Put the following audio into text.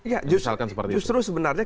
ya justru sebenarnya